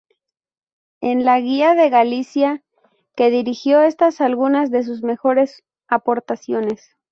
En la "Guía de Galicia", que dirigió, están algunas de sus mejores aportaciones.